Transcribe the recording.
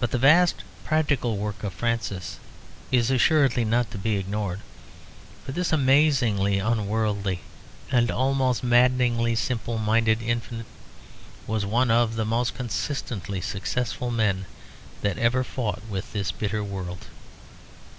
But the vast practical work of Francis is assuredly not to be ignored, for this amazingly unworldly and almost maddeningly simple minded infant was one of the most consistently successful men that ever fought with this bitter world.